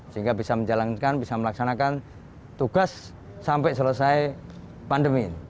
sehingga bisa menjalankan bisa melaksanakan tugas sampai selesai pandemi